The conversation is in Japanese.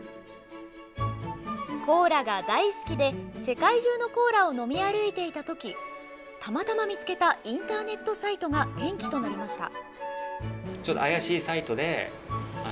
コーラが大好きで、世界中のコーラを飲み歩いていた時たまたま見つけたインターネットサイトが転機となりました。